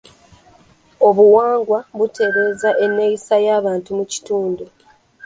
Obuwangwa butereeza enneeyisa y'abantu mu kitundu.